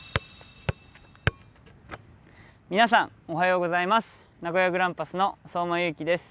皆さん、おはようございます名古屋グランパスの相馬勇紀です。